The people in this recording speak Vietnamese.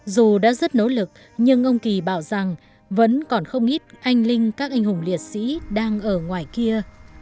dù đã rất nỗ lực nhưng ông kỳ bảo rằng vẫn còn không ít anh linh các anh hùng liệt sĩ đang ở ngoài kia